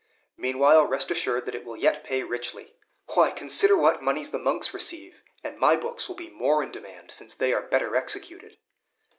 Meanwhile rest assured that it will yet pay richly. Why, consider what moneys the monks receive; and my books will be more in demand, since they are better executed."